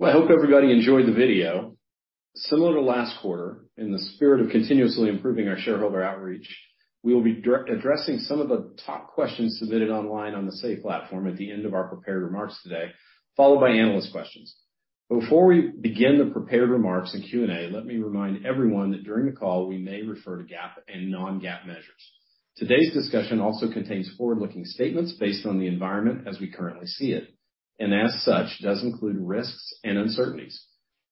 Well, I hope everybody enjoyed the video. Similar to last quarter, in the spirit of continuously improving our shareholder outreach, we will be addressing some of the top questions submitted online on the Say platform at the end of our prepared remarks today, followed by analyst questions. Before we begin the prepared remarks and Q&A, let me remind everyone that during the call we may refer to GAAP and non-GAAP measures. Today's discussion also contains forward-looking statements based on the environment as we currently see it, and as such, does include risks and uncertainties.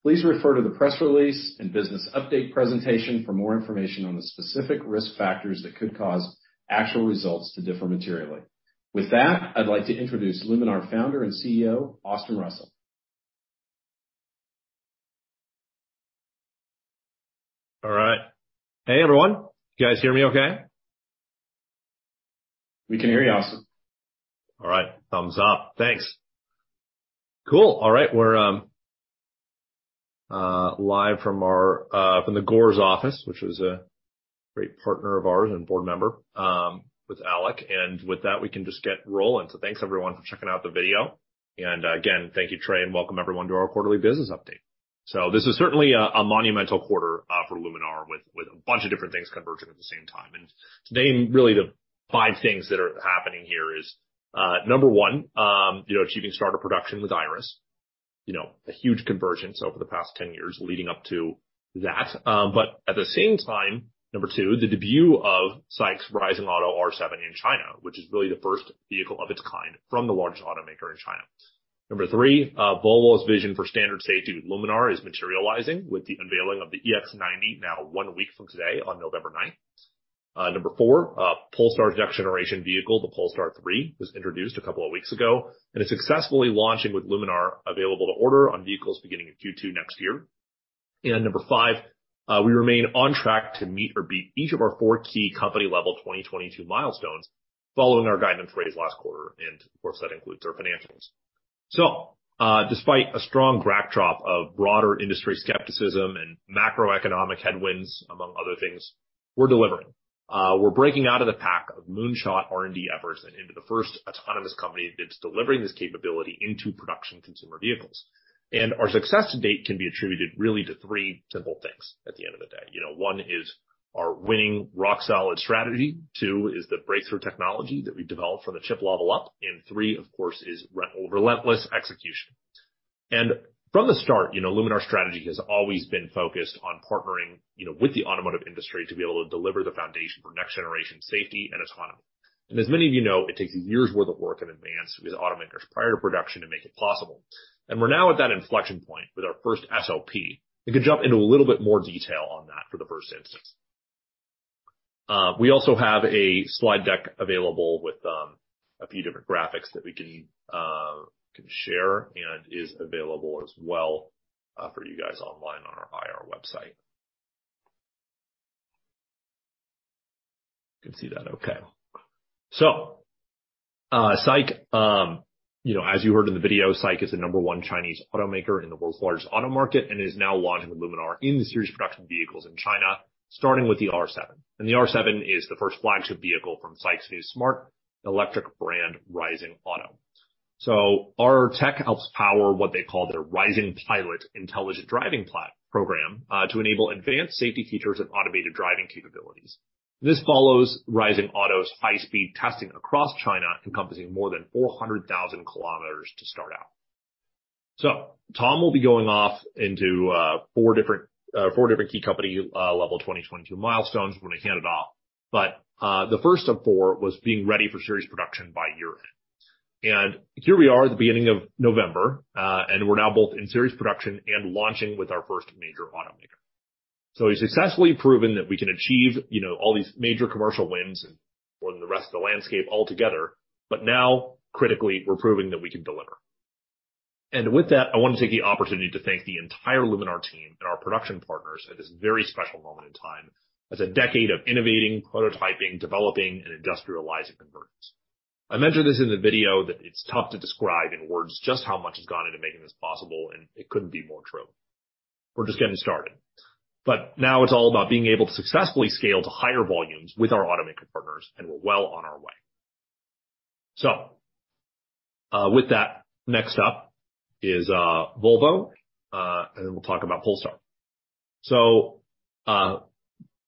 Please refer to the press release and business update presentation for more information on the specific risk factors that could cause actual results to differ materially. With that, I'd like to introduce Luminar Founder and CEO Austin Russell. All right. Hey, everyone. You guys hear me okay? We can hear you, Austin. All right. Thumbs up. Thanks. Cool. All right. We're live from the Gores office, which is a great partner of ours and board member with Alec, and with that, we can just get rolling. Thanks, everyone, for checking out the video. Again, thank you, Trey, and welcome everyone to our quarterly business update. This is certainly a monumental quarter for Luminar with a bunch of different things converging at the same time. To name really the 5 things that are happening here is number one, you know, achieving starter production with Iris. You know, a huge convergence over the past 10 years leading up to that. at the same time, 2, the debut of SAIC's Rising Auto R7 in China, which is really the first vehicle of its kind from the largest automaker in China. 3, Volvo's vision for standard safety with Luminar is materializing with the unveiling of the EX90 now one week from today on November ninth. 4, Polestar's next generation vehicle, the Polestar 3, was introduced a couple of weeks ago, and it's successfully launching with Luminar available to order on vehicles beginning in Q2 next year. 5, we remain on track to meet or beat each of our 4 key company level 2022 milestones following our guidance raised last quarter, and of course, that includes our financials. Despite a strong backdrop of broader industry skepticism and macroeconomic headwinds, among other things, we're delivering. We're breaking out of the pack of moonshot R&D efforts and into the first autonomous company that's delivering this capability into production consumer vehicles. Our success to date can be attributed really to three simple things at the end of the day. You know, one is our winning rock-solid strategy. Two is the breakthrough technology that we've developed from the chip level up. Three, of course, is relentless execution. From the start, you know, Luminar's strategy has always been focused on partnering, you know, with the automotive industry to be able to deliver the foundation for next-generation safety and autonomy. As many of you know, it takes years' worth of work in advance with automakers prior to production to make it possible. We're now at that inflection point with our first SOP. We can jump into a little bit more detail on that for the first instance. We also have a slide deck available with a few different graphics that we can share and is available as well for you guys online on our IR website. You can see that, okay. SAIC, you know, as you heard in the video, SAIC is the number one Chinese automaker in the world's largest auto market and is now launching the Luminar in the series production vehicles in China, starting with the R7. The R7 is the first flagship vehicle from SAIC's new smart electric brand, Rising Auto. Our tech helps power what they call their Rising Pilot intelligent driving program to enable advanced safety features and automated driving capabilities. This follows Rising Auto's high speed testing across China, encompassing more than 400,000 km to start out. Tom will be going off into four different key company level 2022 milestones. I'm gonna hand it off. The first of four was being ready for series production by year-end. Here we are at the beginning of November, and we're now both in series production and launching with our first major automaker. We've successfully proven that we can achieve, you know, all these major commercial wins and won the rest of the landscape altogether. Now, critically, we're proving that we can deliver. With that, I wanna take the opportunity to thank the entire Luminar team and our production partners at this very special moment in time as a decade of innovating, prototyping, developing and industrializing convergence. I mentioned this in the video that it's tough to describe in words just how much has gone into making this possible, and it couldn't be more true. We're just getting started. Now it's all about being able to successfully scale to higher volumes with our automaker partners, and we're well on our way. With that, next up is Volvo, and then we'll talk about Polestar.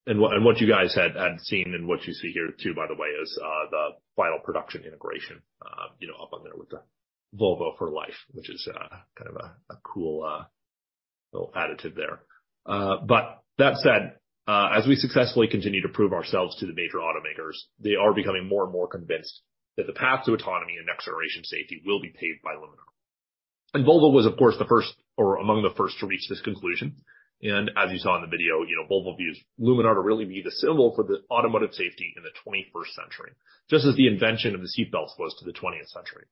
And what you guys had seen and what you see here too, by the way, is the final production integration, you know, up on there with the Volvo For Life, which is kind of a cool little additive there. As we successfully continue to prove ourselves to the major automakers, they are becoming more and more convinced that the path to autonomy and next generation safety will be paved by Luminar. Volvo was, of course, the first or among the first to reach this conclusion. As you saw in the video, you know, Volvo views Luminar to really be the symbol for the automotive safety in the 21st century, just as the invention of the seat belts was to the twentieth century.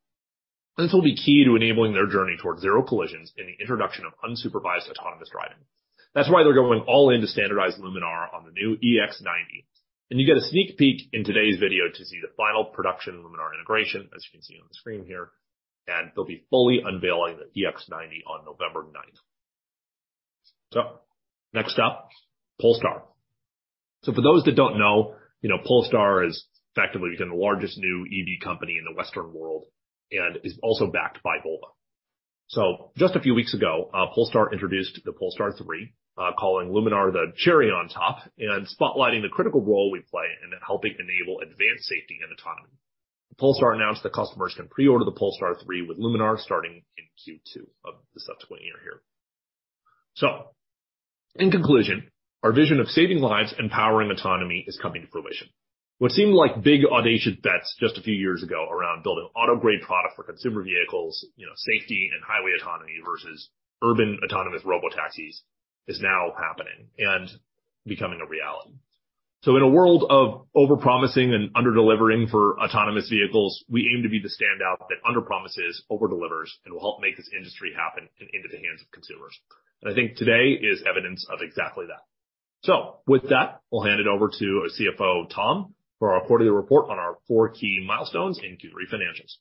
This will be key to enabling their journey towards zero collisions in the introduction of unsupervised autonomous driving. That's why they're going all in to standardize Luminar on the new EX90, and you get a sneak peek in today's video to see the final production Luminar integration, as you can see on the screen here, and they'll be fully unveiling the EX90 on November ninth. Next up, Polestar. For those that don't know, you know, Polestar is effectively become the largest new EV company in the Western world and is also backed by Volvo. Just a few weeks ago, Polestar introduced the Polestar 3, calling Luminar the cherry on top and spotlighting the critical role we play in helping enable advanced safety and autonomy. Polestar announced that customers can pre-order the Polestar 3 with Luminar starting in Q2 of the subsequent year here. In conclusion, our vision of saving lives and powering autonomy is coming to fruition. What seemed like big audacious bets just a few years ago around building auto-grade product for consumer vehicles, you know, safety and highway autonomy versus urban autonomous robotaxis is now happening and becoming a reality. In a world of overpromising and under-delivering for autonomous vehicles, we aim to be the standout that under-promises, over-delivers, and will help make this industry happen and into the hands of consumers. I think today is evidence of exactly that. With that, we'll hand it over to our CFO, Tom, for our quarterly report on our four key milestones in Q3 financials.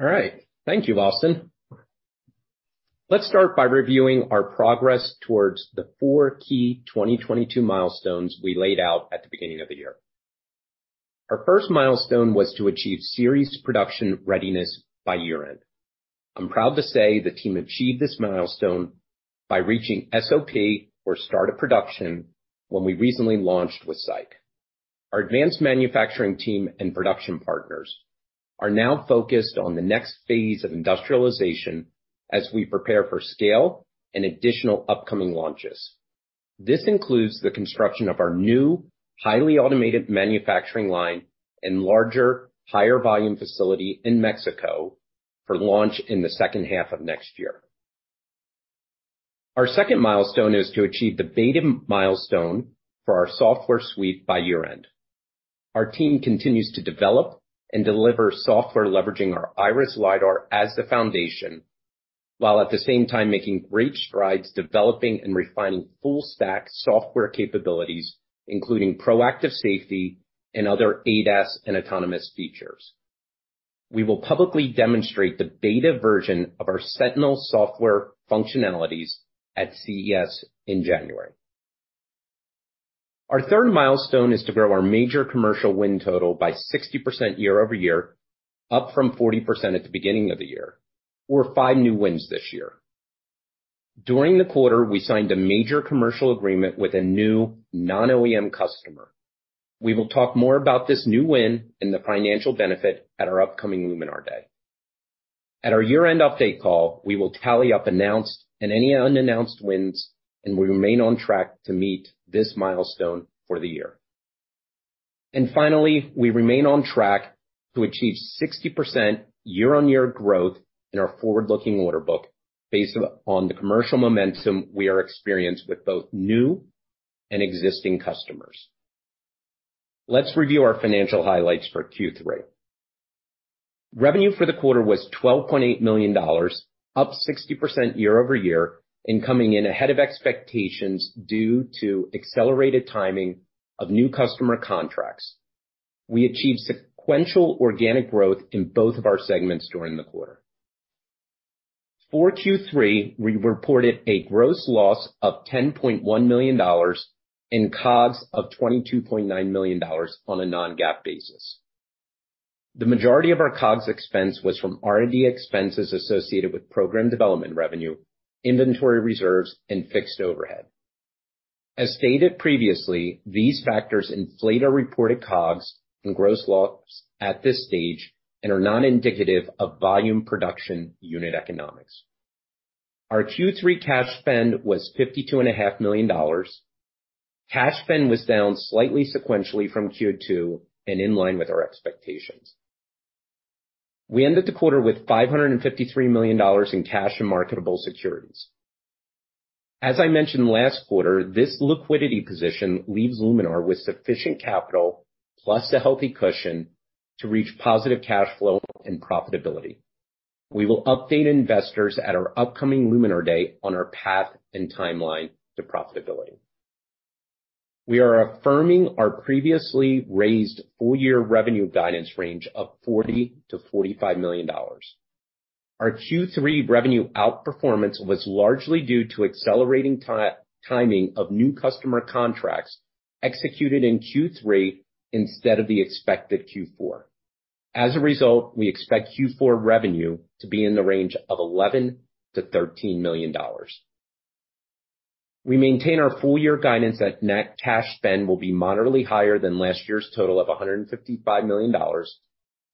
All right. Thank you, Austin. Let's start by reviewing our progress towards the four key 2022 milestones we laid out at the beginning of the year. Our first milestone was to achieve series production readiness by year-end. I'm proud to say the team achieved this milestone by reaching SOP or start of production when we recently launched with SAIC. Our advanced manufacturing team and production partners are now focused on the next phase of industrialization as we prepare for scale and additional upcoming launches. This includes the construction of our new highly automated manufacturing line and larger higher volume facility in Mexico for launch in the second half of next year. Our second milestone is to achieve the beta milestone for our software suite by year-end. Our team continues to develop and deliver software leveraging our Iris LiDAR as the foundation, while at the same time making great strides developing and refining full stack software capabilities, including proactive safety and other ADAS and autonomous features. We will publicly demonstrate the beta version of our Sentinel software functionalities at CES in January. Our third milestone is to grow our major commercial win total by 60% year-over-year, up from 40% at the beginning of the year, or 5 new wins this year. During the quarter, we signed a major commercial agreement with a new non-OEM customer. We will talk more about this new win and the financial benefit at our upcoming Luminar Day. At our year-end update call, we will tally up announced and any unannounced wins, and we remain on track to meet this milestone for the year. Finally, we remain on track to achieve 60% year-over-year growth in our forward-looking order book based on the commercial momentum we are experienced with both new and existing customers. Let's review our financial highlights for Q3. Revenue for the quarter was $12.8 million, up 60% year-over-year, and coming in ahead of expectations due to accelerated timing of new customer contracts. We achieved sequential organic growth in both of our segments during the quarter. For Q3, we reported a gross loss of $10.1 million and COGS of $22.9 million on a non-GAAP basis. The majority of our COGS expense was from R&D expenses associated with program development revenue, inventory reserves, and fixed overhead. As stated previously, these factors inflate our reported COGS and gross loss at this stage and are not indicative of volume production unit economics. Our Q3 cash spend was $52.5 million. Cash spend was down slightly sequentially from Q2 and in line with our expectations. We ended the quarter with $553 million in cash and marketable securities. As I mentioned last quarter, this liquidity position leaves Luminar with sufficient capital plus a healthy cushion to reach positive cash flow and profitability. We will update investors at our upcoming Luminar Day on our path and timeline to profitability. We are affirming our previously raised full year revenue guidance range of $40 million-$45 million. Our Q3 revenue outperformance was largely due to accelerating timing of new customer contracts executed in Q3 instead of the expected Q4. As a result, we expect Q4 revenue to be in the range of $11 million-$13 million. We maintain our full year guidance that net cash spend will be moderately higher than last year's total of $155 million,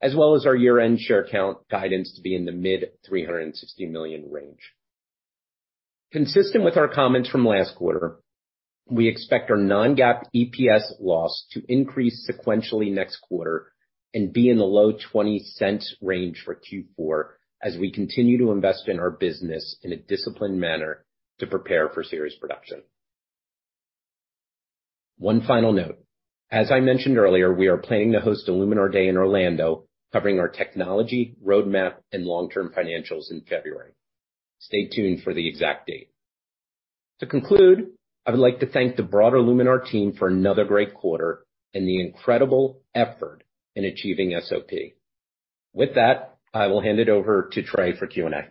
as well as our year-end share count guidance to be in the mid-360 million range. Consistent with our comments from last quarter, we expect our non-GAAP EPS loss to increase sequentially next quarter and be in the low $0.20 range for Q4 as we continue to invest in our business in a disciplined manner to prepare for series production. One final note. As I mentioned earlier, we are planning to host a Luminar Day in Orlando covering our technology, roadmap, and long-term financials in February. Stay tuned for the exact date. To conclude, I would like to thank the broader Luminar team for another great quarter and the incredible effort in achieving SOP. With that, I will hand it over to Trey for Q&A.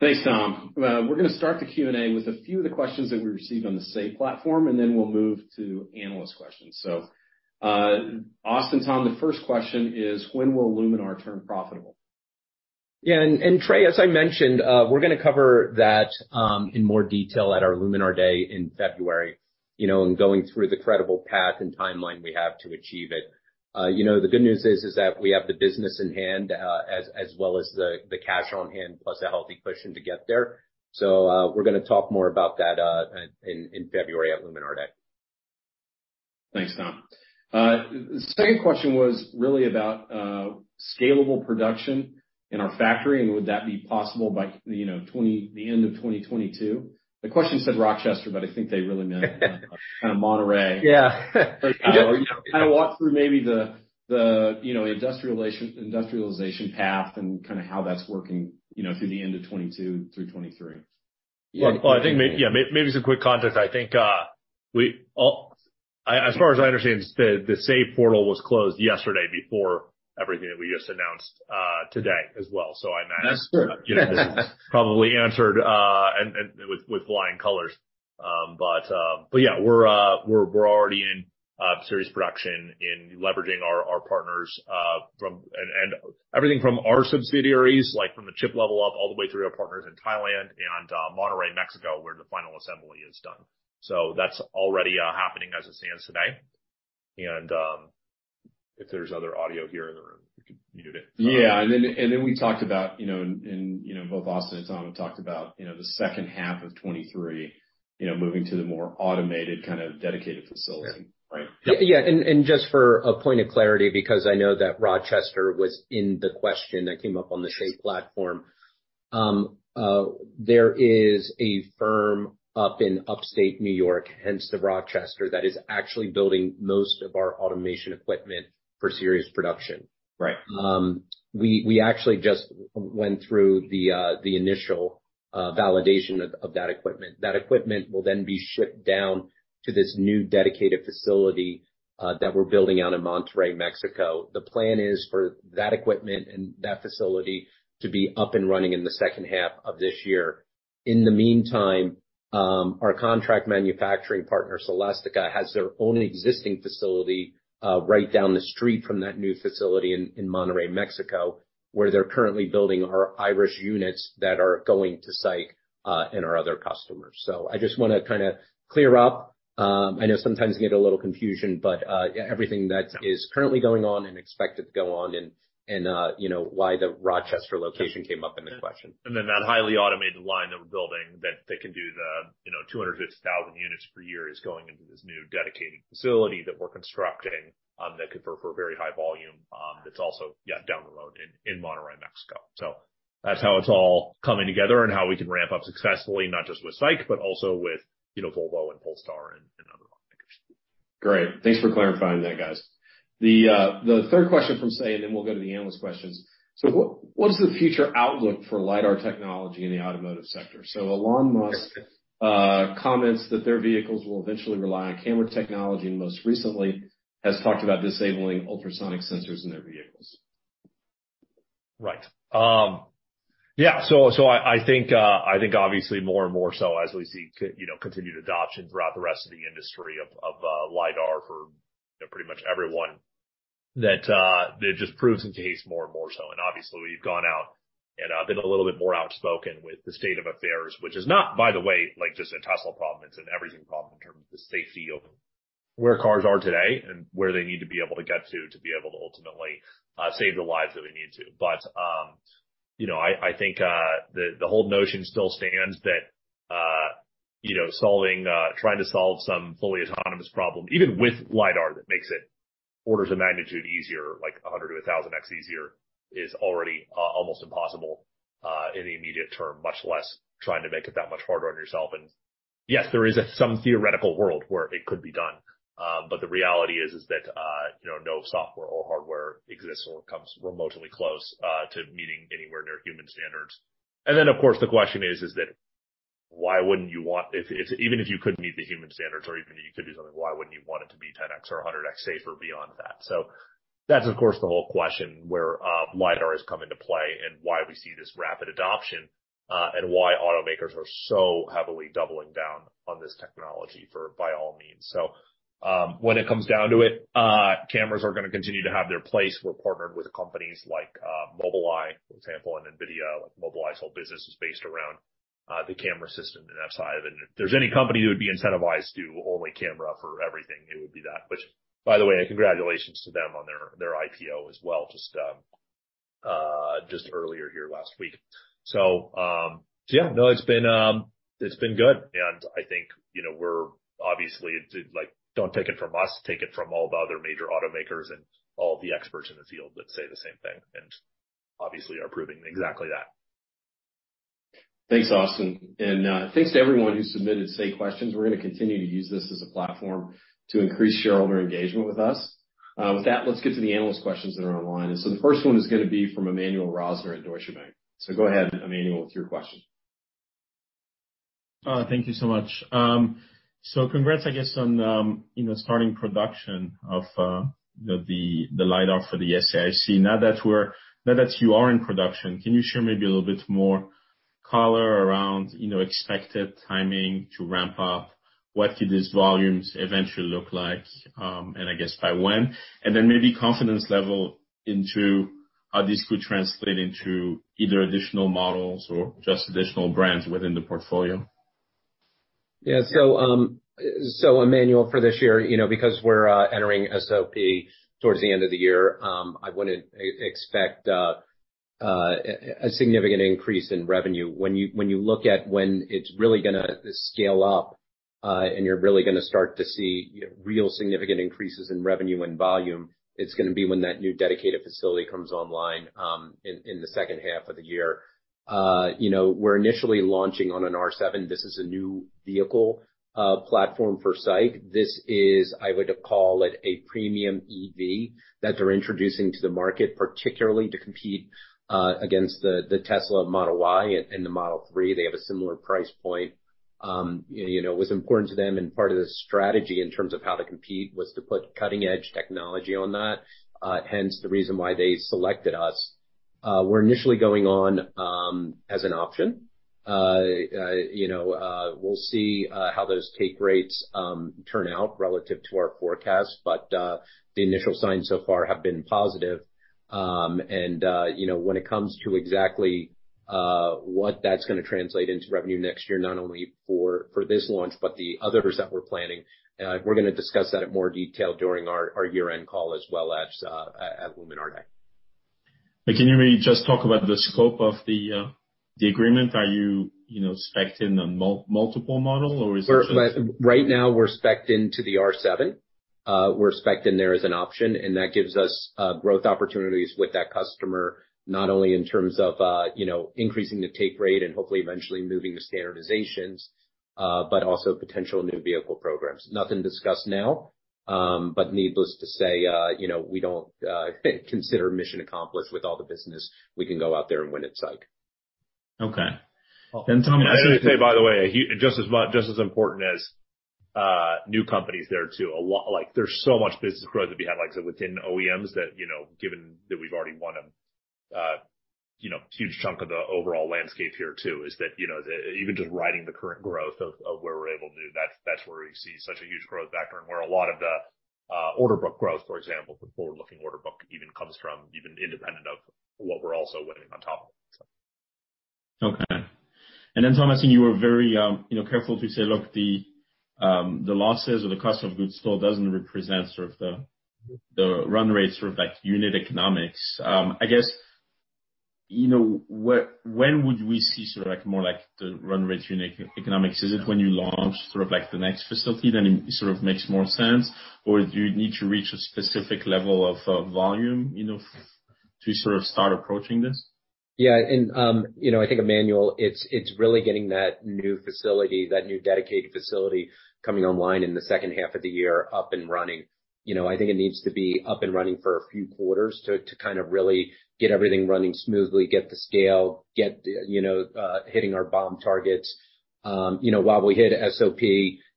Thanks, Tom. We're gonna start the Q&A with a few of the questions that we received on the Say platform, and then we'll move to analyst questions. Austin, Tom, the first question is, when will Luminar turn profitable? Trey, as I mentioned, we're gonna cover that in more detail at our Luminar Day in February, you know, and going through the credible path and timeline we have to achieve it. You know, the good news is that we have the business in hand, as well as the cash on hand, plus a healthy cushion to get there. We're gonna talk more about that in February at Luminar Day. Thanks, Tom. The second question was really about scalable production in our factory, and would that be possible by, you know, the end of 2022? The question said Rochester, but I think they really meant kind of Monterrey. Yeah. Kind of walk through maybe the, you know, industrialization path and kind of how that's working, you know, through the end of 2022 through 2023. Yeah. Well, I think maybe some quick context. I think, as far as I understand, the Say portal was closed yesterday before everything that we just announced, today as well. I imagine- That's true. This was probably answered and with flying colors. Yeah, we're already in series production, leveraging our partners, and everything from our subsidiaries, like from the chip level up all the way through our partners in Thailand and Monterrey, Mexico, where the final assembly is done. That's already happening as it stands today. If there's other audio here in the room, we can mute it. Yeah. Then we talked about, you know, both Austin and Tom have talked about, you know, the second half of 2023, you know, moving to the more automated kind of dedicated facility. Yeah. Right? Just for a point of clarity, because I know that Rochester was in the question that came up on the Say platform, there is a firm up in Upstate New York, hence the Rochester, that is actually building most of our automation equipment for series production. Right. We actually just went through the initial validation of that equipment. That equipment will then be shipped down to this new dedicated facility that we're building out in Monterrey, Mexico. The plan is for that equipment and that facility to be up and running in the second half of this year. In the meantime, our contract manufacturing partner, Celestica, has their own existing facility right down the street from that new facility in Monterrey, Mexico, where they're currently building our Iris units that are going to SAIC and our other customers. I just wanna kinda clear up. I know sometimes we get a little confusion, but yeah, everything that is currently going on and expected to go on and you know, why the Rochester location came up in the question. That highly automated line that we're building that can do, you know, 250,000 units per year is going into this new dedicated facility that we're constructing that could provide for very high volume, that's also down the road in Monterrey, Mexico. That's how it's all coming together and how we can ramp up successfully, not just with SAIC, but also with, you know, Volvo and Polestar and other automakers. Great. Thanks for clarifying that, guys. The third question from Say, and then we'll go to the analyst questions. What is the future outlook for LiDAR technology in the automotive sector? Elon Musk comments that their vehicles will eventually rely on camera technology, and most recently has talked about disabling ultrasonic sensors in their vehicles. Right. Yeah. I think obviously more and more so as we see you know, continued adoption throughout the rest of the industry of LiDAR for you know, pretty much everyone, that just proves the case more and more so. Obviously, we've gone out and been a little bit more outspoken with the state of affairs, which is not, by the way, like, just a Tesla problem. It's an everything problem in terms of the safety of where cars are today and where they need to be able to get to to be able to ultimately save the lives that we need to. I think the whole notion still stands that you know, trying to solve some fully autonomous problem, even with LiDAR that makes it orders of magnitude easier, like 100x-1,000x easier, is already almost impossible in the immediate term, much less trying to make it that much harder on yourself. Yes, there is some theoretical world where it could be done. The reality is that you know, no software or hardware exists or comes remotely close to meeting anywhere near human standards. Then, of course, the question is that if even if you could meet the human standards or even you could do something, why wouldn't you want it to be 10x or 100x safer beyond that? That's, of course, the whole question where LiDAR has come into play and why we see this rapid adoption, and why automakers are so heavily doubling down on this technology for, by all means. When it comes down to it, cameras are gonna continue to have their place. We're partnered with companies like Mobileye, for example, and NVIDIA. Like, Mobileye's whole business is based around the camera system and that side of it. And if there's any company that would be incentivized to do only camera for everything, it would be that. Which, by the way, congratulations to them on their IPO as well, just earlier here last week. Yeah, no, it's been good. I think, you know. Don't take it from us, take it from all the other major automakers and all the experts in the field that say the same thing, and obviously are proving exactly that. Thanks, Austin. Thanks to everyone who submitted Say questions. We're gonna continue to use this as a platform to increase shareholder engagement with us. With that, let's get to the analyst questions that are online. The first one is gonna be from Emmanuel Rosner at Deutsche Bank. Go ahead, Emmanuel, with your question. Thank you so much. Congrats, I guess, on you know, starting production of the LiDAR for the SAIC. Now that you are in production, can you share maybe a little bit more color around you know, expected timing to ramp up? What could these volumes eventually look like, and I guess by when? Maybe confidence level into how this could translate into either additional models or just additional brands within the portfolio. Emmanuel, for this year, you know, because we're entering SOP towards the end of the year, I wouldn't expect a significant increase in revenue. When you look at when it's really gonna scale up, and you're really gonna start to see, you know, real significant increases in revenue and volume, it's gonna be when that new dedicated facility comes online, in the second half of the year. You know, we're initially launching on an R7. This is a new vehicle platform for SAIC. This is, I would call it, a premium EV that they're introducing to the market, particularly to compete against the Tesla Model Y and the Model 3. They have a similar price point. You know, it was important to them, and part of the strategy in terms of how to compete was to put cutting-edge technology on that, hence the reason why they selected us. We're initially going on as an option. You know, we'll see how those take rates turn out relative to our forecast, but the initial signs so far have been positive. You know, when it comes to exactly what that's gonna translate into revenue next year, not only for this launch but the others that we're planning, we're gonna discuss that in more detail during our year-end call as well as at Luminar Day. Can you maybe just talk about the scope of the agreement? Are you know, specced in a multiple model, or is it just- Right now we're specced into the R7. We're specced in there as an option, and that gives us growth opportunities with that customer, not only in terms of you know, increasing the take rate and hopefully eventually moving to standardizations, but also potential new vehicle programs. Nothing discussed now, but needless to say, you know, we don't consider mission accomplished with all the business we can go out there and win at SAIC. Okay. Tom I would say, by the way, just as important as new companies there too. Like, there's so much business growth that we have, like I said, within OEMs that, you know, given that we've already won, you know, huge chunk of the overall landscape here too, is that, you know, even just riding the current growth of where we're able to, that's where we see such a huge growth factor and where a lot of the order book growth, for example, the forward-looking order book even comes from, even independent of what we're also winning on top of it, so. Okay. Tom, I've seen you were very, you know, careful to say, look, the losses or the cost of goods still doesn't represent sort of the run rate, sort of like unit economics. I guess, you know, when would we see sort of like more like the run rate unit economics? Is it when you launch sort of like the next facility, then it sort of makes more sense, or do you need to reach a specific level of volume, you know, to sort of start approaching this? Yeah. You know, I think, Emmanuel, it's really getting that new facility, that new dedicated facility coming online in the second half of the year up and running. You know, I think it needs to be up and running for a few quarters to kind of really get everything running smoothly, get the scale, you know, hitting our BOM targets. You know, while we hit SOP,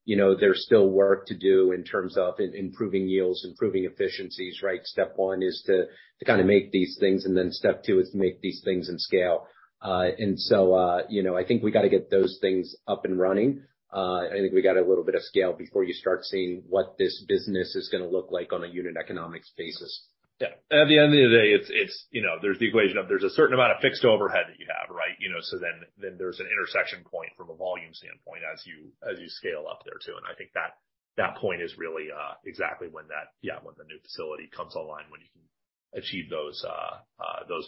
you know, there's still work to do in terms of improving yields, improving efficiencies, right? Step one is to kinda make these things, and then step two is to make these things in scale. You know, I think we gotta get those things up and running. I think we got a little bit of scale before you start seeing what this business is gonna look like on a unit economics basis. Yeah. At the end of the day, it's you know, there's the equation of a certain amount of fixed overhead that you have, right? You know, so then there's an intersection point from a volume standpoint as you scale up there too. I think that point is really exactly when the new facility comes online, when you can achieve those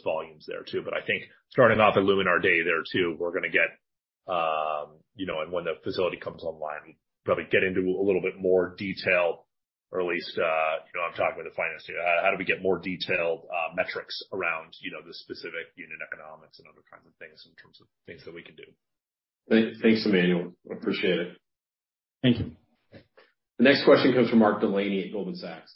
volumes there too. I think starting off at Luminar Day there too, we're gonna get you know, and when the facility comes online, we probably get into a little bit more detail or at least you know, I'm talking with the finance team. How do we get more detailed metrics around you know, the specific unit economics and other kinds of things in terms of things that we can do. Thanks, Emmanuel. Appreciate it. Thank you. The next question comes from Mark Delaney at Goldman Sachs.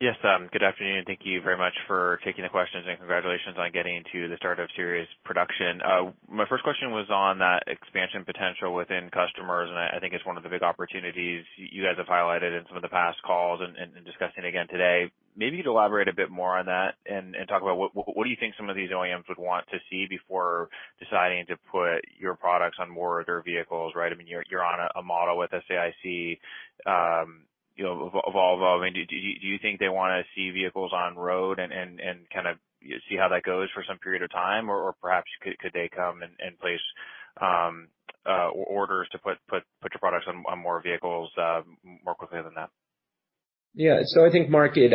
Yes. Good afternoon. Thank you very much for taking the questions, and congratulations on getting to the start of serious production. My first question was on that expansion potential within customers, and I think it's one of the big opportunities you guys have highlighted in some of the past calls and discussing again today. Maybe you'd elaborate a bit more on that and talk about what do you think some of these OEMs would want to see before deciding to put your products on more of their vehicles, right? I mean, you're on a model with SAIC, you know, Volvo. I mean, do you think they wanna see vehicles on road and kinda see how that goes for some period of time? Perhaps could they come and place orders to put your products on more vehicles more quickly than that? Yeah. I think, Mark, it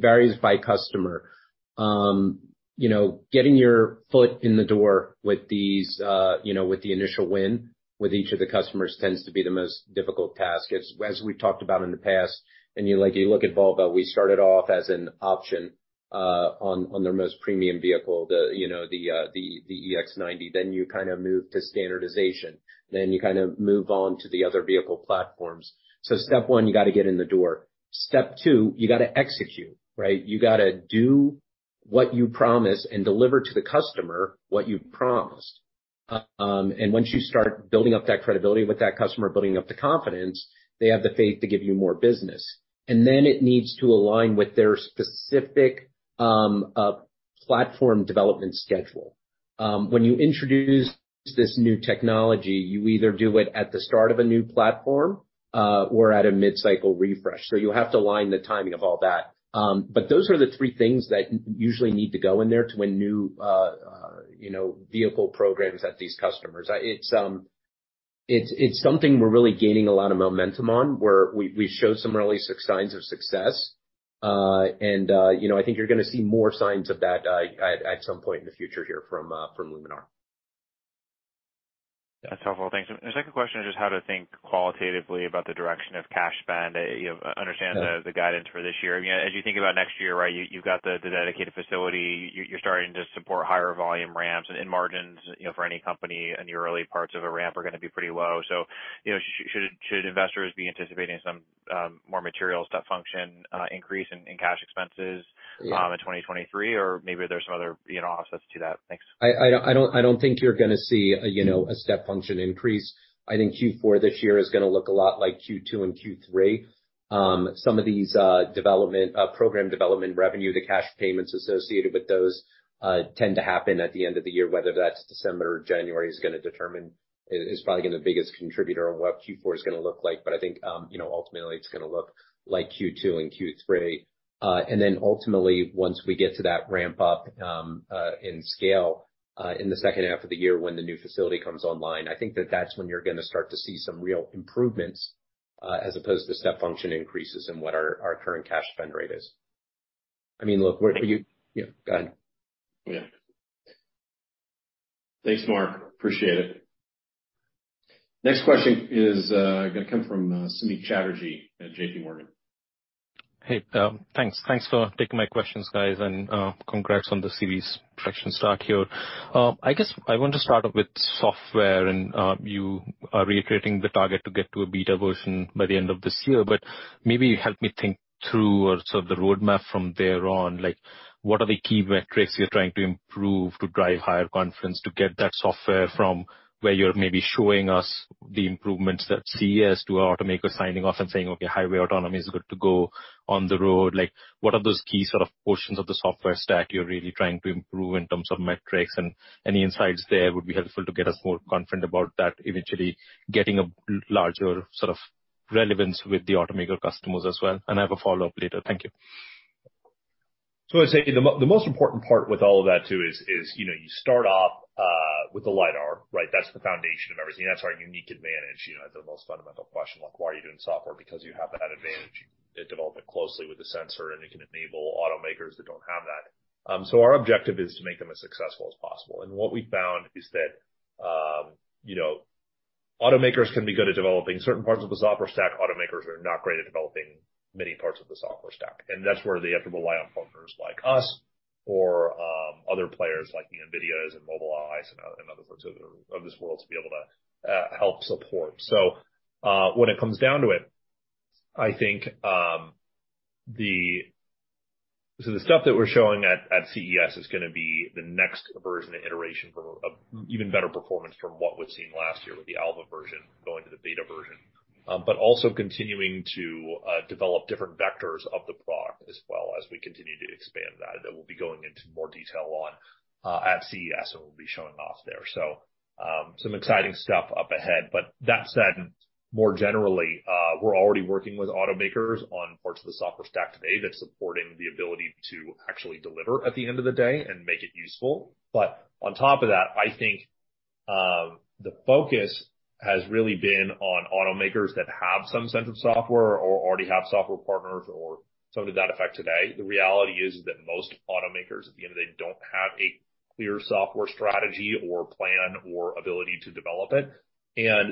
varies by customer. You know, getting your foot in the door with these, you know, with the initial win with each of the customers tends to be the most difficult task. As we talked about in the past, and you look at Volvo, we started off as an option on their most premium vehicle, the EX90, then you kind of move to standardization, then you kind of move on to the other vehicle platforms. Step one, you gotta get in the door. Step two, you gotta execute, right? You gotta do what you promise and deliver to the customer what you promised. Once you start building up that credibility with that customer, building up the confidence, they have the faith to give you more business. It needs to align with their specific platform development schedule. When you introduce this new technology, you either do it at the start of a new platform or at a mid-cycle refresh. You have to align the timing of all that. Those are the three things that usually need to go in there to win new you know vehicle programs at these customers. It's something we're really gaining a lot of momentum on, where we showed some early signs of success. You know, I think you're gonna see more signs of that at some point in the future here from Luminar. That's helpful. Thanks. The second question is just how to think qualitatively about the direction of cash spend. You know, understand. Yeah. The guidance for this year. Again, as you think about next year, right, you've got the dedicated facility. You're starting to support higher volume ramps and margins, you know, for any company in the early parts of a ramp are gonna be pretty low. So, you know, should investors be anticipating some more material step function increase in cash expenses? Yeah. in 2023? Or maybe there's some other, you know, offsets to that. Thanks. I don't think you're gonna see, you know, a step function increase. I think Q4 this year is gonna look a lot like Q2 and Q3. Some of these development program revenue, the cash payments associated with those, tend to happen at the end of the year, whether that's December or January, is probably gonna be the biggest contributor to what Q4 is gonna look like. I think, you know, ultimately it's gonna look like Q2 and Q3. Ultimately, once we get to that ramp up in scale in the second half of the year when the new facility comes online, I think that's when you're gonna start to see some real improvements as opposed to step function increases in what our current cash spend rate is. I mean, look, Yeah, go ahead. Yeah. Thanks, Mark. Appreciate it. Next question is gonna come from Samik Chatterjee at JPMorgan. Hey, thanks. Thanks for taking my questions, guys, and congrats on the series production start here. I guess I want to start off with software and you are reiterating the target to get to a beta version by the end of this year, but maybe help me think through or sort of the roadmap from there on. Like, what are the key metrics you're trying to improve to drive higher confidence to get that software from where you're maybe showing us the improvements that CES demo, automaker signing off and saying, "Okay, highway autonomy is good to go on the road." Like, what are those key sort of portions of the software stack you're really trying to improve in terms of metrics? Any insights there would be helpful to get us more confident about that eventually getting a larger sort of relevance with the automaker customers as well. I have a follow-up later. Thank you. I'd say the most important part with all of that too is, you know, you start off with the LiDAR, right? That's the foundation of everything. That's our unique advantage. You know, the most fundamental question, like, why are you doing software? Because you have that advantage. You can develop it closely with the sensor, and it can enable automakers that don't have that. Our objective is to make them as successful as possible. What we found is that, you know, automakers can be good at developing certain parts of the software stack. Automakers are not great at developing many parts of the software stack, and that's where they have to rely on partners like us or other players like NVIDIA and Mobileye and other sorts of this world to be able to help support. When it comes down to it, I think, the stuff that we're showing at CES is gonna be the next version and iteration from a even better performance from what was seen last year with the alpha version going to the beta version. But also continuing to develop different vectors of the product as well as we continue to expand that. That we'll be going into more detail on at CES, and we'll be showing off there. Some exciting stuff up ahead. That said, more generally, we're already working with automakers on parts of the software stack today that's supporting the ability to actually deliver at the end of the day and make it useful. On top of that, I think the focus has really been on automakers that have some sense of software or already have software partners or something to that effect today. The reality is that most automakers, at the end of the day, don't have a clear software strategy or plan or ability to develop it.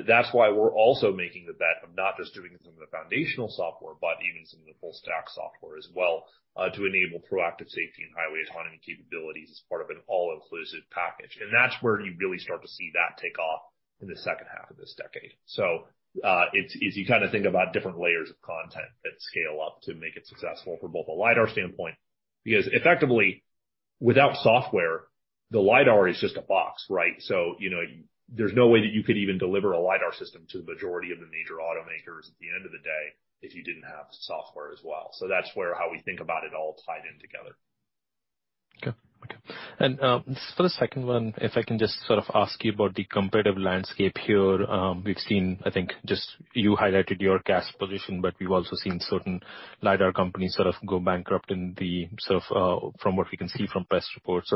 That's why we're also making the bet of not just doing some of the foundational software, but even some of the full stack software as well, to enable proactive safety and highway autonomy capabilities as part of an all-inclusive package. That's where you really start to see that take off in the second half of this decade. It's easy trying to think about different layers of content that scale up to make it successful from both a LiDAR standpoint. Because effectively, without software, the LiDAR is just a box, right? You know, there's no way that you could even deliver a LiDAR system to the majority of the major automakers at the end of the day if you didn't have software as well. That's where how we think about it all tied in together. Okay. Just for the second one, if I can just sort of ask you about the competitive landscape here. We've seen, I think, just you highlighted your cash position, but we've also seen certain LiDAR companies sort of go bankrupt in the sort of, from what we can see from press reports.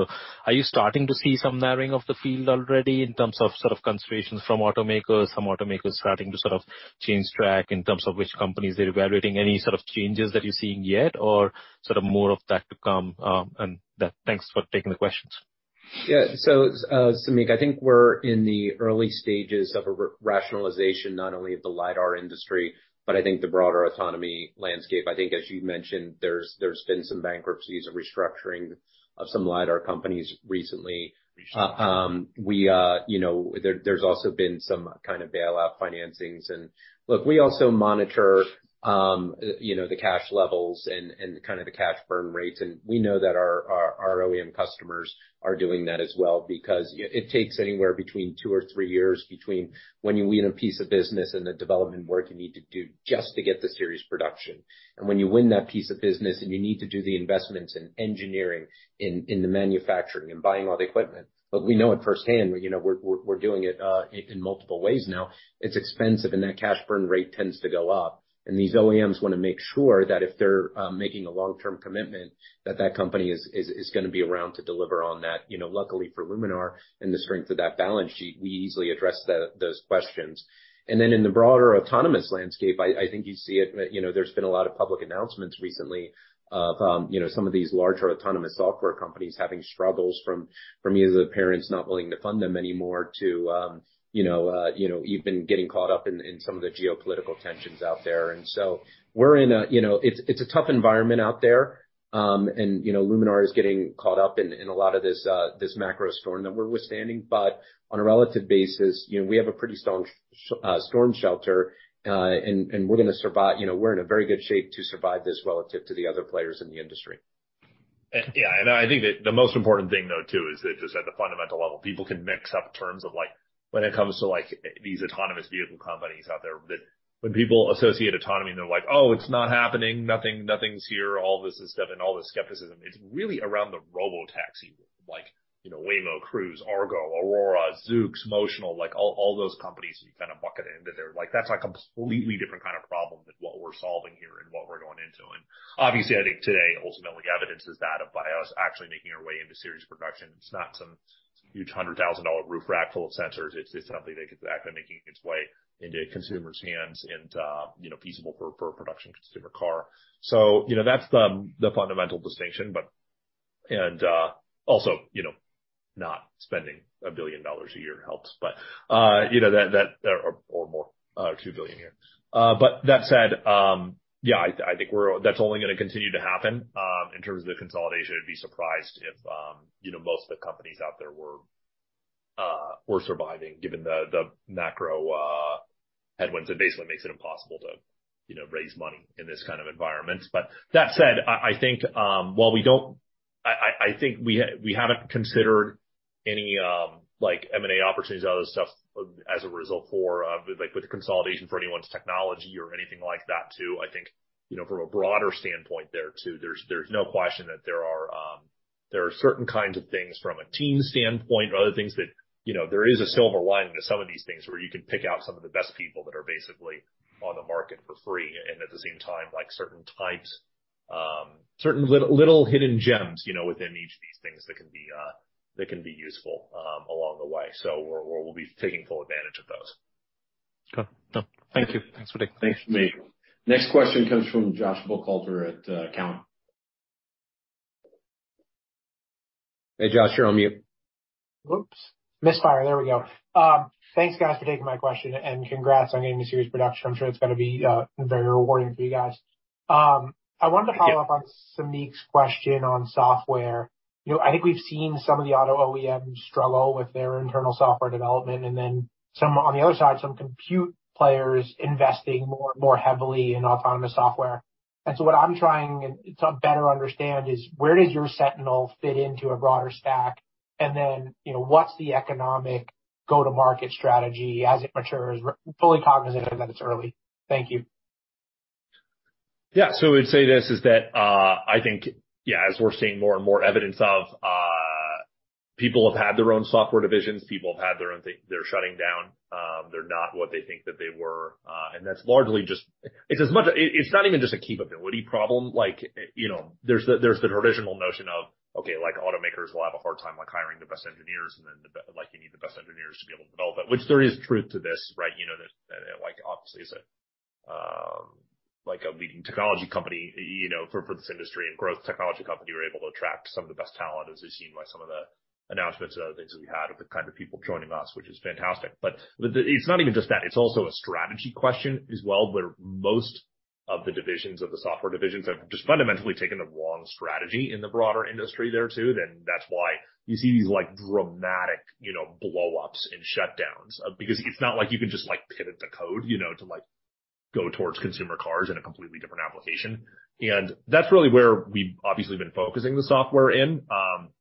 Are you starting to see some narrowing of the field already in terms of sort of concentrations from automakers, some automakers starting to sort of change track in terms of which companies they're evaluating? Any sort of changes that you're seeing yet or sort of more of that to come? Thanks for taking the questions. Yeah. Samik, I think we're in the early stages of a re-rationalization not only of the LiDAR industry, but I think the broader autonomy landscape. I think, as you mentioned, there's been some bankruptcies and restructuring of some LiDAR companies recently. We, you know, there's also been some kind of bailout financings. Look, we also monitor, you know, the cash levels and kind of the cash burn rates, and we know that our OEM customers are doing that as well because it takes anywhere between two or three years between when you win a piece of business and the development work you need to do just to get the series production. When you win that piece of business and you need to do the investments in engineering, in the manufacturing and buying all the equipment. We know it firsthand. We're doing it in multiple ways now. It's expensive, and that cash burn rate tends to go up. These OEMs wanna make sure that if they're making a long-term commitment, that that company is gonna be around to deliver on that. Luckily for Luminar and the strength of that balance sheet, we easily address those questions. Then in the broader autonomous landscape, I think you see it. There's been a lot of public announcements recently of some of these larger autonomous software companies having struggles from either the parents not willing to fund them anymore to even getting caught up in some of the geopolitical tensions out there. We're in a It's a tough environment out there. You know, Luminar is getting caught up in a lot of this macro storm that we're withstanding. On a relative basis, you know, we have a pretty strong storm shelter, and we're gonna survive. You know, we're in a very good shape to survive this relative to the other players in the industry. Yeah. I think that the most important thing, though, too, is that just at the fundamental level, people can mix up terms of, like, when it comes to, like, these autonomous vehicle companies out there, that when people associate autonomy, and they're like, "Oh, it's not happening. Nothing's here," all this stuff and all this skepticism. It's really around the robotaxi, like, you know, Waymo, Cruise, Argo AI, Aurora, Zoox, Motional, like, all those companies you kind of bucket into there. Like, that's a completely different kind of problem than what we're solving here and what we're going into. Obviously, I think today ultimately evidences that by us actually making our way into series production. It's not some huge $100,000 roof rack full of sensors. It's something that could actually making its way into consumers' hands and feasible for a production consumer car. That's the fundamental distinction. Also, not spending $1 billion a year helps. That or more, $2 billion a year. But that said, I think that's only gonna continue to happen. In terms of the consolidation, I'd be surprised if most of the companies out there were surviving given the macro headwinds that basically makes it impossible to raise money in this kind of environment. That said, I think while we don't... I think we haven't considered any, like, M&A opportunities or other stuff as a result for, like, with consolidation for anyone's technology or anything like that too. I think, you know, from a broader standpoint there too, there's no question that there are certain kinds of things from a team standpoint or other things that, you know, there is a silver lining to some of these things where you can pick out some of the best people that are basically on the market for free and at the same time, like, certain types, certain little hidden gems, you know, within each of these things that can be useful along the way. We'll be taking full advantage of those. Okay. No. Thank you. Thanks, Samik. Next question comes from Joshua Buchalter at Cowen. Hey, Josh, you're on mute. Thanks, guys, for taking my question, and congrats on getting the series production. I'm sure it's gonna be very rewarding for you guys. I wanted to follow up on Samik's question on software. You know, I think we've seen some of the auto OEMs struggle with their internal software development and then some on the other side, some compute players investing more and more heavily in autonomous software. What I'm trying to better understand is where does your Sentinel fit into a broader stack? You know, what's the economic go-to-market strategy as it matures? Fully cognizant that it's early. Thank you. Yeah. I would say this is that I think yeah as we're seeing more and more evidence of people have had their own software divisions. They're shutting down. They're not what they think that they were. That's largely just. It's not even just a capability problem. Like you know there's the traditional notion of okay like automakers will have a hard time like hiring the best engineers and then like you need the best engineers to be able to develop it. Which there is truth to this right? You know, like, obviously as a, like a leading technology company, you know, for this industry and growth technology company, we're able to attract some of the best talent, as is seen by some of the announcements and other things that we had of the kind of people joining us, which is fantastic. But it's not even just that. It's also a strategy question as well, where most of the software divisions have just fundamentally taken the wrong strategy in the broader industry there too. That's why you see these, like, dramatic, you know, blowups and shutdowns. Because it's not like you can just, like, pivot the code, you know, to, like, go towards consumer cars in a completely different application. That's really where we've obviously been focusing the software in.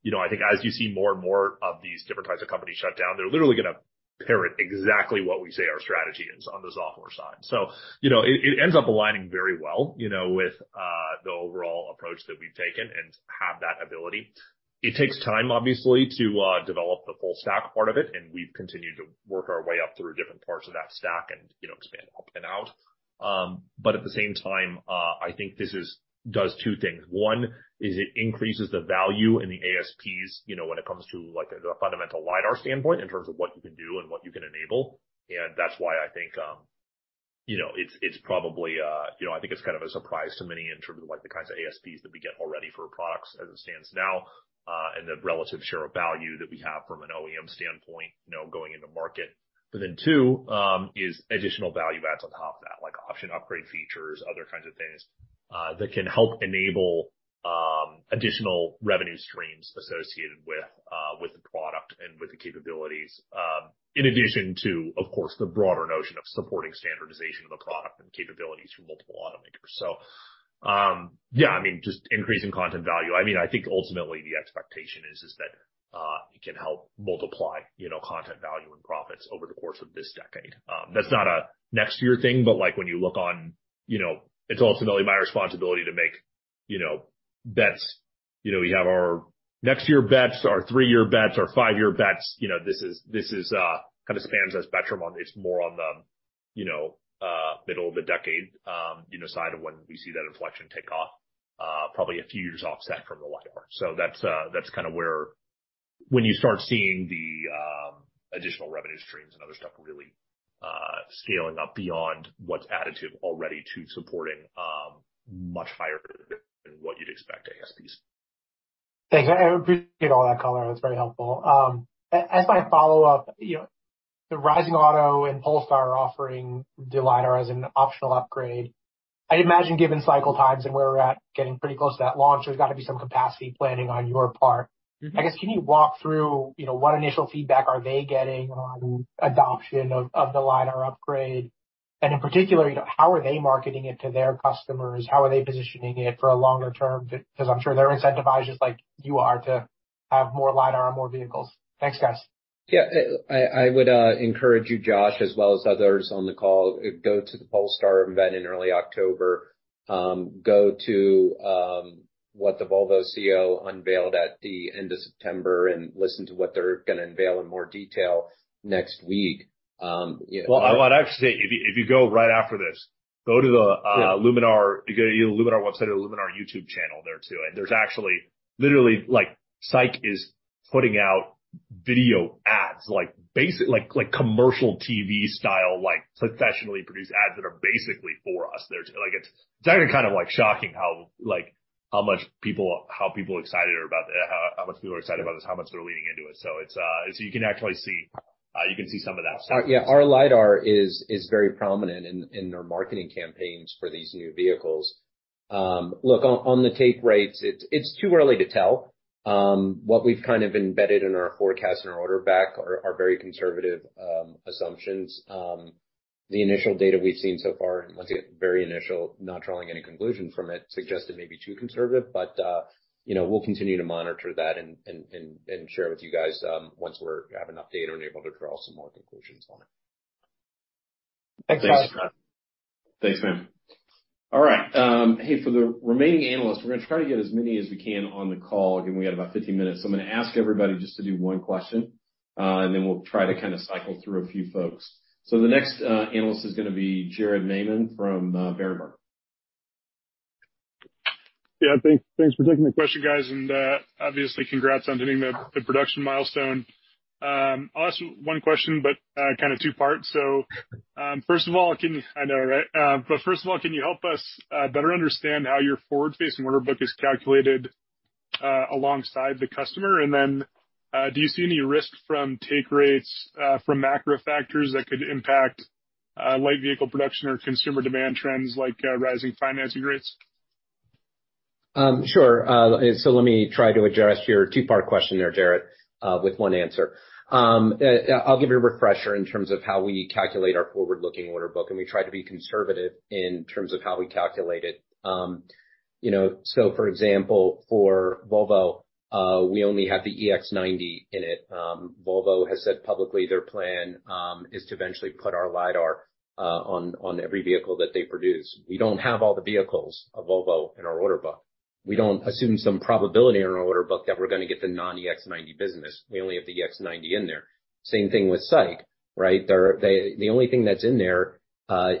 You know, I think as you see more and more of these different types of companies shut down, they're literally gonna parrot exactly what we say our strategy is on the software side. You know, it ends up aligning very well, you know, with the overall approach that we've taken and have that ability. It takes time, obviously, to develop the full stack part of it, and we've continued to work our way up through different parts of that stack and, you know, expand up and out. But at the same time, I think this does two things. One is it increases the value in the ASPs, you know, when it comes to, like, the fundamental LiDAR standpoint in terms of what you can do and what you can enable. That's why I think, you know, it's probably, you know, I think it's kind of a surprise to many in terms of like the kinds of ASPs that we get already for products as it stands now, and the relative share of value that we have from an OEM standpoint, you know, going into market. Then two, is additional value adds on top of that, like option upgrade features, other kinds of things, that can help enable, additional revenue streams associated with the product and with the capabilities, in addition to, of course, the broader notion of supporting standardization of a product and capabilities from multiple automakers. Yeah, I mean, just increasing content value. I mean, I think ultimately the expectation is that it can help multiply, you know, content value and profits over the course of this decade. That's not a next year thing, but like when you look on, you know, it's ultimately my responsibility to make, you know, bets. You know, we have our next year bets, our three-year bets, our five-year bets. You know, this is kind of spans the spectrum on it's more on the, you know, middle of the decade, you know, side of when we see that inflection take off, probably a few years offset from the LiDAR. That's kinda where when you start seeing the additional revenue streams and other stuff really scaling up beyond what's additive already to supporting much higher than what you'd expect ASPs. Thanks. I appreciate all that color. That's very helpful. As my follow-up, you know, the Rising Auto and Polestar are offering the LiDAR as an optional upgrade. I'd imagine given cycle times and where we're at, getting pretty close to that launch, there's gotta be some capacity planning on your part. Mm-hmm. I guess, can you walk through, you know, what initial feedback are they getting on adoption of the LiDAR upgrade? And in particular, you know, how are they marketing it to their customers? How are they positioning it for a longer term? Because I'm sure they're incentivized just like you are to have more LiDAR on more vehicles. Thanks, guys. I would encourage you, Josh, as well as others on the call, go to the Polestar event in early October, go to what the Volvo CEO unveiled at the end of September, and listen to what they're gonna unveil in more detail next week, you know. Well, I would actually say if you go right after this. Yeah. Luminar, either Luminar website or Luminar YouTube channel there too. There's actually literally like SAIC is putting out video ads like commercial TV style like professionally produced ads that are basically for us. They're like it's actually kind of like shocking how like how much people are excited about this how much they're leaning into it. You can actually see some of that stuff. Yeah, our LiDAR is very prominent in their marketing campaigns for these new vehicles. Look, on the take rates, it's too early to tell. What we've kind of embedded in our forecast and our order backlog are very conservative assumptions. The initial data we've seen so far, and once again, very initial, not drawing any conclusion from it, suggested maybe too conservative. You know, we'll continue to monitor that and share with you guys once we have an update and are able to draw some more conclusions on it. Thanks, guys. Thanks, man. All right. Hey, for the remaining analysts, we're gonna try to get as many as we can on the call. Again, we got about 15 minutes. I'm gonna ask everybody just to do one question, and then we'll try to kinda cycle through a few folks. The next analyst is gonna be Jared Maymon from Berenberg. Yeah, thanks for taking the question, guys, and obviously congrats on hitting the production milestone. I'll ask one question, but kinda two parts. First of all, I know, right? But first of all, can you help us better understand how your forward-facing order book is calculated alongside the customer? Then, do you see any risk from take rates from macro factors that could impact light vehicle production or consumer demand trends like rising financing rates? Sure. Let me try to address your two-part question there, Jared, with one answer. I'll give you a refresher in terms of how we calculate our forward-looking order book, and we try to be conservative in terms of how we calculate it. You know, for example, for Volvo, we only have the EX90 in it. Volvo has said publicly their plan is to eventually put our LiDAR on every vehicle that they produce. We don't have all the vehicles of Volvo in our order book. We don't assume some probability in our order book that we're gonna get the non-EX90 business. We only have the EX90 in there. Same thing with SAIC, right? They, the only thing that's in there,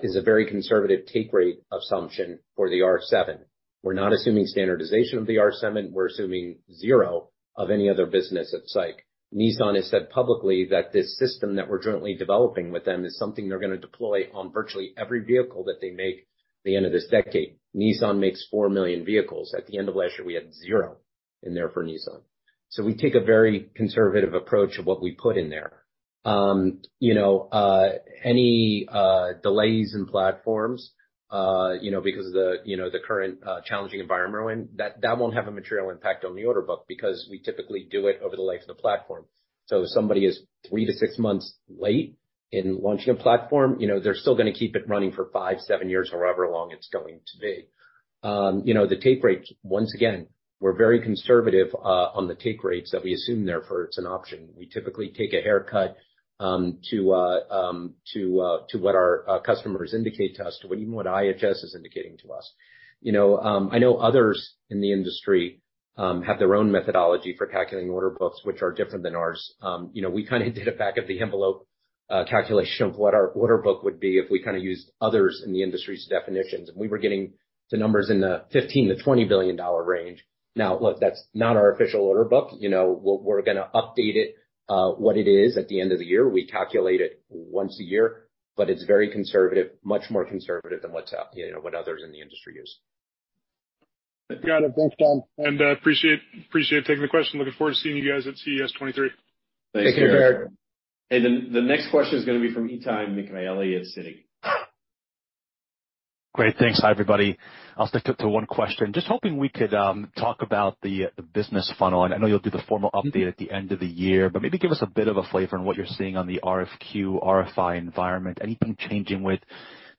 is a very conservative take rate assumption for the R7. We're not assuming standardization of the R7. We're assuming zero of any other business at SAIC. Nissan has said publicly that this system that we're jointly developing with them is something they're gonna deploy on virtually every vehicle that they make at the end of this decade. Nissan makes 4 million vehicles. At the end of last year, we had zero in there for Nissan. We take a very conservative approach of what we put in there. You know, any delays in platforms, you know, because of the, you know, the current challenging environment we're in, that won't have a material impact on the order book because we typically do it over the life of the platform. If somebody is 3-6 months late in launching a platform, you know, they're still gonna keep it running for 5, 7 years or however long it's going to be. You know, the take rates, once again, we're very conservative on the take rates that we assume therefore it's an option. We typically take a haircut to what our customers indicate to us, to even what IHS is indicating to us. You know, I know others in the industry have their own methodology for calculating order books, which are different than ours. You know, we kinda did a back of the envelope calculation of what our order book would be if we kinda used others in the industry's definitions, and we were getting the numbers in the $15 billion-$20 billion range. Now, look, that's not our official order book. You know, we're gonna update it, what it is at the end of the year. We calculate it once a year, but it's very conservative, much more conservative than what's out, you know, what others in the industry use. Got it. Thanks, Tom, and appreciate taking the question. Looking forward to seeing you guys at CES 2023. Thanks. Take care. The next question is gonna be from Itay Michaeli at Citi. Great. Thanks. Hi, everybody. I'll stick to one question. Just hoping we could talk about the business funnel. I know you'll do the formal update at the end of the year, but maybe give us a bit of a flavor on what you're seeing on the RFQ, RFI environment. Anything changing with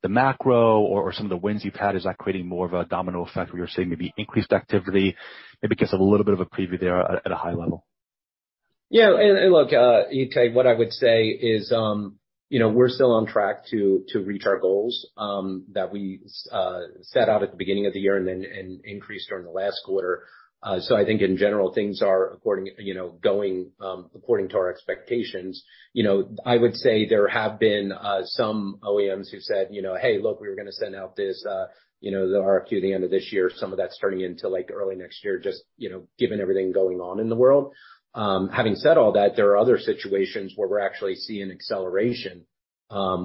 the macro or some of the wins you've had? Is that creating more of a domino effect where you're seeing maybe increased activity? Maybe give us a little bit of a preview there at a high level. Look, Itay, what I would say is, you know, we're still on track to reach our goals that we set out at the beginning of the year and then increased during the last quarter. I think in general, things are, you know, going according to our expectations. You know, I would say there have been some OEMs who've said, you know, "Hey, look, we were gonna send out this, you know, the RFQ at the end of this year." Some of that's turning into, like, early next year, just, you know, given everything going on in the world. Having said all that, there are other situations where we're actually seeing acceleration,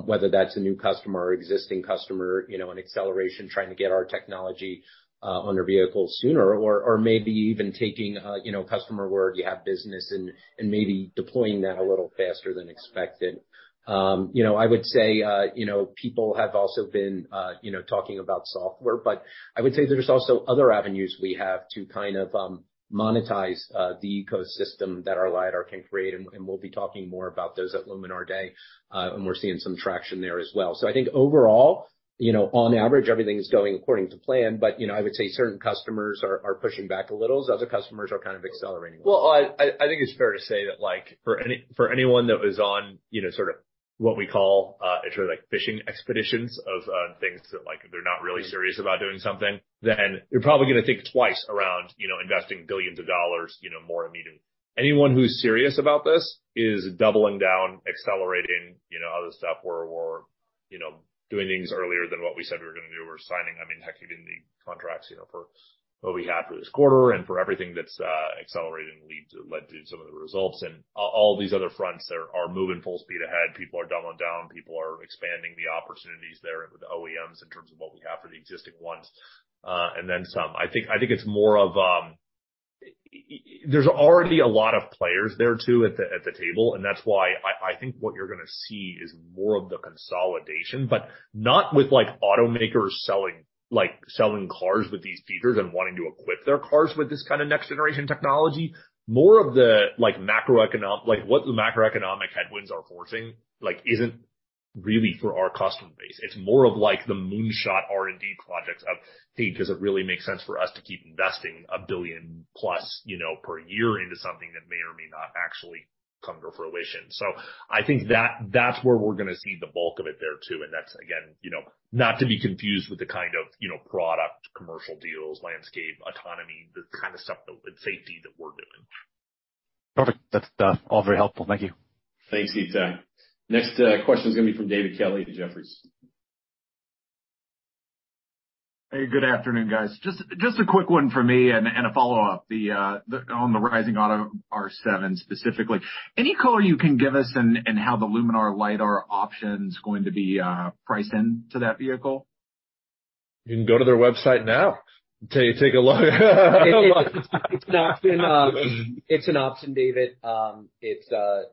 whether that's a new customer or existing customer, you know, an acceleration trying to get our technology on their vehicles sooner or maybe even taking you know, customer where you have business and maybe deploying that a little faster than expected. You know, I would say, you know, people have also been, you know, talking about software, but I would say there's also other avenues we have to kind of monetize the ecosystem that our LiDAR can create, and we'll be talking more about those at Luminar Day. We're seeing some traction there as well. I think overall, you know, on average, everything is going according to plan, but, you know, I would say certain customers are pushing back a little as other customers are kind of accelerating. I think it's fair to say that, like, for anyone that was on, you know, sort of what we call, it's really like fishing expeditions of things that, like, they're not really serious about doing something, then you're probably gonna think twice around, you know, investing billions of dollars, you know, more immediately. Anyone who's serious about this is doubling down, accelerating, you know, other stuff or, you know, doing things earlier than what we said we were gonna do. We're signing, I mean, heck, even the contracts, you know, for what we have for this quarter and for everything that's accelerating that led to some of the results. All these other fronts are moving full speed ahead. People are doubling down. People are expanding the opportunities there with the OEMs in terms of what we have for the existing ones, and then some. I think it's more of. There's already a lot of players there too at the table, and that's why I think what you're gonna see is more of the consolidation, but not with, like, automakers selling cars with these features and wanting to equip their cars with this kind of next generation technology. More of the, like, what the macroeconomic headwinds are forcing, like, isn't really for our customer base. It's more of, like, the moonshot R&D projects of, "Hey, does it really make sense for us to keep investing $1 billion+, you know, per year into something that may or may not actually come to fruition?" I think that's where we're gonna see the bulk of it there too, and that's again, you know, not to be confused with the kind of, you know, product, commercial deals, landscape, autonomy, the kind of stuff that, and safety that we're doing. Perfect. That's all very helpful. Thank you. Thanks, Itay. Next, question's gonna be from David Kelley at Jefferies. Hey, good afternoon, guys. Just a quick one for me and a follow-up. On the Rising Auto R7 specifically. Any color you can give us on how the Luminar LiDAR option's going to be priced into that vehicle? You can go to their website now to take a look. It's an option. It's an option, David. The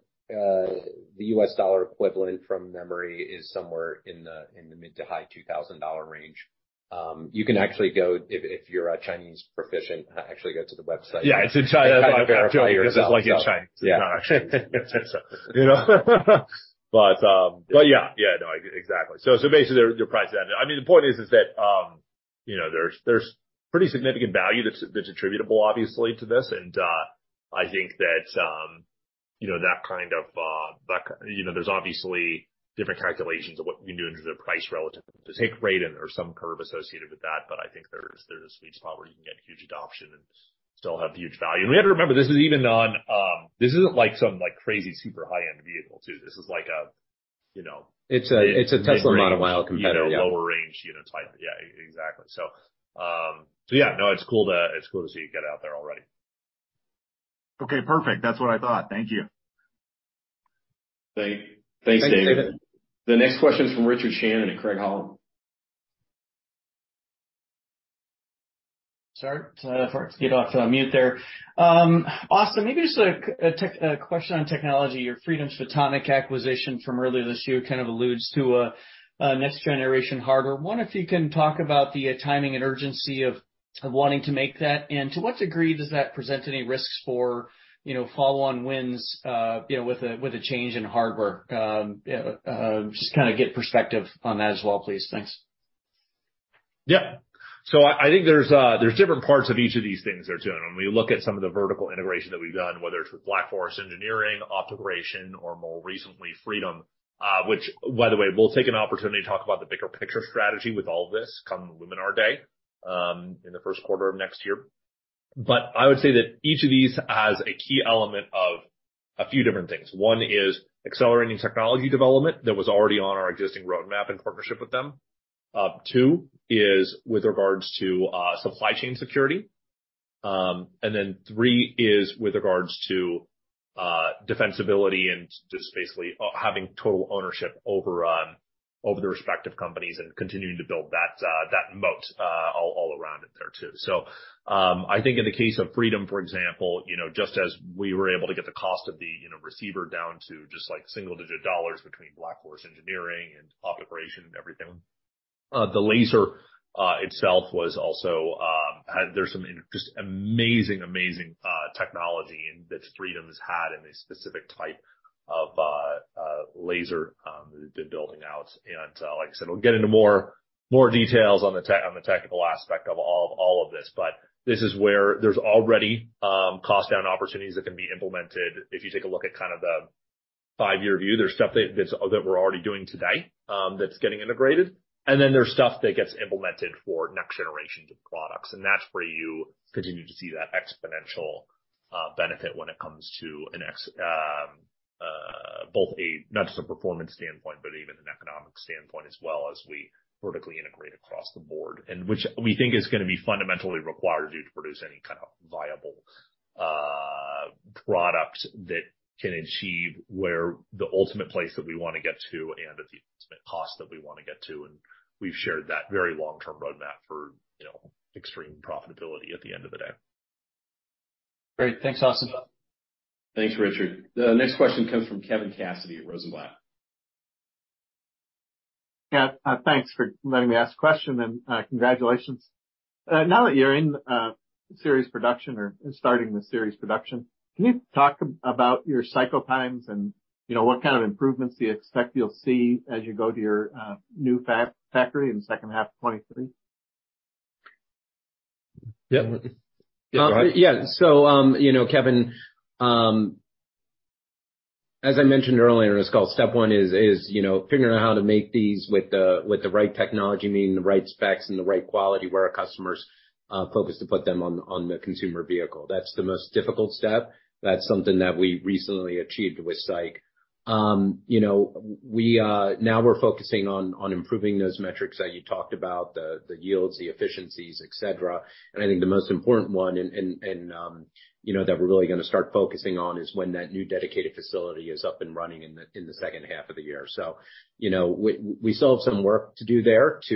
US dollar equivalent from memory is somewhere in the mid- to high $2,000 range. You can actually go if you're Chinese proficient, actually go to the website. Yeah, it's in Chinese. You can kind of verify yourself. I was about to say, 'cause it's, like, in Chinese. Yeah. It's not actually easy to get to, you know. Yeah. No, I get it. Exactly. Basically they're priced at it. I mean, the point is that you know, there's pretty significant value that's attributable obviously to this. I think that you know, that kind of you know, there's obviously different calculations of what we can do in terms of price relative to the take rate, and there's some curve associated with that. I think there's a sweet spot where you can get huge adoption and still have huge value. We have to remember, this is even on this isn't like some like crazy super high-end vehicle too. This is like a you know. It's a Tesla Model Y competitor. Mid-range, you know, lower range unit type. Yeah, exactly. Yeah, no, it's cool to see it get out there already. Okay, perfect. That's what I thought. Thank you. Thanks, David. Thanks, David. The next question's from Richard Shannon at Craig-Hallum. Sorry for getting off mute there. Austin, maybe just a question on technology. Your Freedom Photonics acquisition from earlier this year kind of alludes to a next generation hardware. If you can talk about the timing and urgency of wanting to make that, and to what degree does that present any risks for, you know, follow-on wins, you know, with a change in hardware? Just kind of get perspective on that as well, please. Thanks. Yeah. I think there's different parts of each of these things there, too. When you look at some of the vertical integration that we've done, whether it's with Black Forest Engineering, OptoGration, or more recently, Freedom, which by the way, we'll take an opportunity to talk about the bigger picture strategy with all of this come Luminar Day, in the first quarter of next year. I would say that each of these has a key element of a few different things. One is accelerating technology development that was already on our existing roadmap and partnership with them. Two is with regards to supply chain security. Then three is with regards to defensibility and just basically having total ownership over the respective companies and continuing to build that moat all around in there too. I think in the case of Freedom, for example, you know, just as we were able to get the cost of the receiver down to just like single-digit dollars between Black Forest Engineering and OptoGration and everything. The laser itself was also. There's some just amazing technology in that Freedom has had in this specific type of laser that they've been building out. Like I said, we'll get into more details on the technical aspect of all of this. This is where there's already cost down opportunities that can be implemented. If you take a look at kind of the five-year view, there's stuff that we're already doing today that's getting integrated. Then there's stuff that gets implemented for next generations of products, and that's where you continue to see that exponential benefit when it comes to not just a performance standpoint, but even an economic standpoint as well, as we vertically integrate across the board. Which we think is gonna be fundamentally required to produce any kind of viable product that can achieve the ultimate place that we wanna get to and at the ultimate cost that we wanna get to. We've shared that very long-term roadmap for, you know, extreme profitability at the end of the day. Great. Thanks, Austin. Thanks, Richard. The next question comes from Kevin Cassidy at Rosenblatt. Yeah. Thanks for letting me ask the question, and congratulations. Now that you're in series production or starting the series production, can you talk about your cycle times and, you know, what kind of improvements do you expect you'll see as you go to your new factory in the second half of 2023? Yeah. Yeah, you know, Kevin, as I mentioned earlier in this call, step one is you know, figuring out how to make these with the right technology, meaning the right specs and the right quality where our customers focus to put them on the consumer vehicle. That's the most difficult step. That's something that we recently achieved with SAIC. You know, we now we're focusing on improving those metrics that you talked about, the yields, the efficiencies, et cetera. I think the most important one and that we're really gonna start focusing on is when that new dedicated facility is up and running in the second half of the year. You know, we still have some work to do there to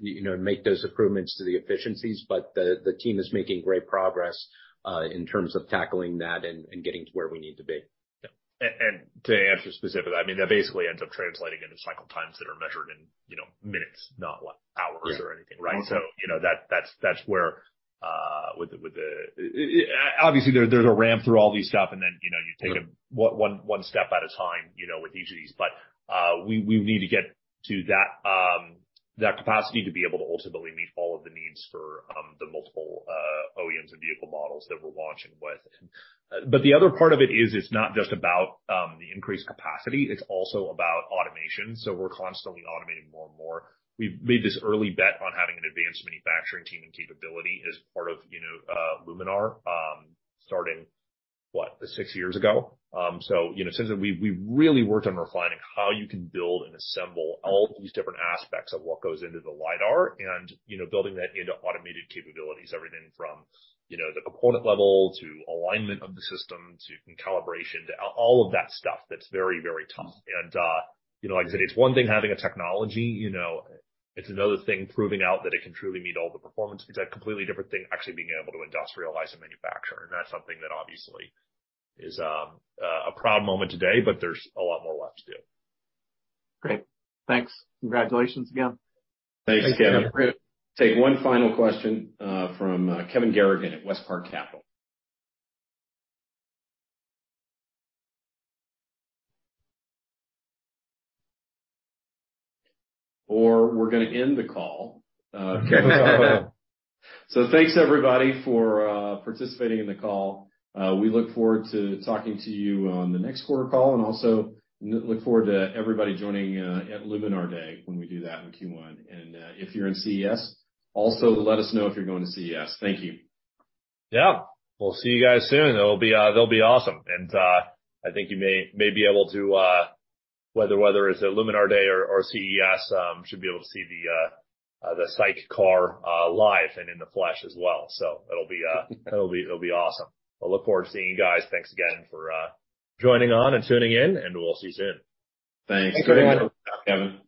you know, make those improvements to the efficiencies. The team is making great progress in terms of tackling that and getting to where we need to be. Yeah. To answer specifically, I mean, that basically ends up translating into cycle times that are measured in, you know, minutes, not like hours or anything, right? Mm-hmm. You know, that's where obviously there's a ramp through all this stuff, and then you know you take it one step at a time you know with each of these. We need to get to that capacity to be able to ultimately meet all of the needs for the multiple OEMs and vehicle models that we're launching with. The other part of it is, it's not just about the increased capacity, it's also about automation. We're constantly automating more and more. We made this early bet on having an advanced manufacturing team and capability as part of you know Luminar starting six years ago. You know, since then, we really worked on refining how you can build and assemble all these different aspects of what goes into the LiDAR and, you know, building that into automated capabilities. Everything from, you know, the component level, to alignment of the system, to calibration, to all of that stuff that's very, very tough. You know, like I said, it's one thing having a technology, you know, it's another thing proving out that it can truly meet all the performance needs. A completely different thing, actually being able to industrialize and manufacture. That's something that obviously is a proud moment today, but there's a lot more left to do. Great. Thanks. Congratulations again. Thanks, Kevin. Take one final question from Kevin Garrigan at WestPark Capital. Or we're gonna end the call. Kevin. So thanks everybody for participating in the call. We look forward to talking to you on the next quarter call, and also look forward to everybody joining at Luminar Day when we do that in Q1. If you're in CES, also let us know if you're going to CES. Thank you. Yeah. We'll see you guys soon. It'll be awesome. I think you may be able to, whether it's at Luminar Day or CES, should be able to see the SAIC car live and in the flesh as well. It'll be awesome. I look forward to seeing you guys. Thanks again for joining on and tuning in, and we'll see you soon. Thanks. Thanks, everyone. Yeah, Kevin.